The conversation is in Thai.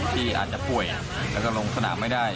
ที่อาจจะป่วยแล้วก็ลงสนามไม่ได้